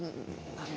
ある。